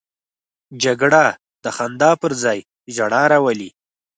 جګړه د خندا پر ځای ژړا راولي